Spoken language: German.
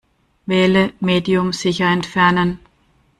Wähle "Medium sicher entfernen".